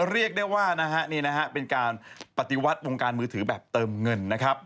เรียกได้ว่าเป็นการปฏิวัติโรงการมือถือแบบเติมเงินนะครับ